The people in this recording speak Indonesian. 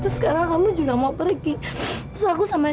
sampai jumpa di video selanjutnya